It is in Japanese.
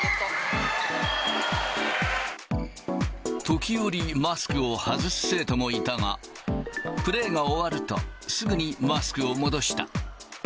時折マスクを外す生徒もいたが、プレーが終わると、すぐにマスクを戻した。